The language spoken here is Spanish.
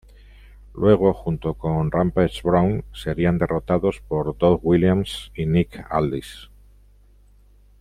Luego, junto con Rampage Brown, serían derrotados por Doug Williams y Nick Aldis.